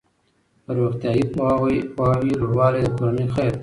د روغتیايي پوهاوي لوړوالی د کورنۍ خیر دی.